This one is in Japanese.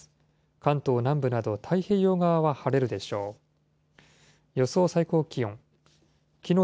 関東南部など太平洋側は晴れるでしょう。